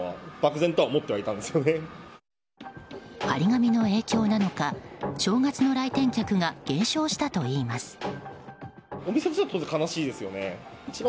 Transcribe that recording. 貼り紙の影響なのか正月の来店客が減少したといいます。